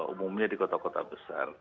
umumnya di kota kota besar